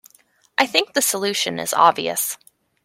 I think the solution is obvious.